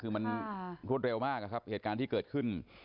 คือมันรวดเร็วมากนะครับเหตุการณ์ที่เกิดขึ้น